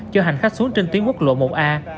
cho hành khách xuống trên tuyến quốc lộ một a